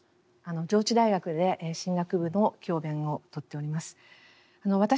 上智大学で神学部の教鞭をとっております。